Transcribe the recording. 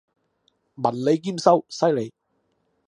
文理兼修，犀利！